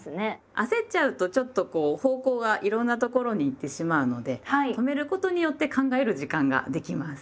焦っちゃうとちょっと方向がいろんなところに行ってしまうので止めることによって考える時間ができます。